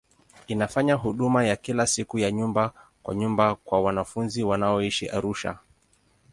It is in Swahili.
Inafanya huduma ya kila siku ya nyumba kwa nyumba kwa wanafunzi wanaoishi Arusha.